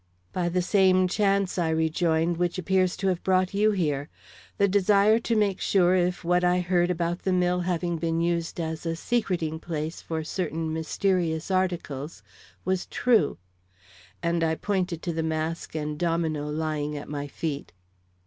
"By the same chance," I rejoined, "which appears to have brought you here. The desire to make sure if what I heard about the mill having been used as a secreting place for certain mysterious articles, was true." And I pointed to the mask and domino lying at my feet.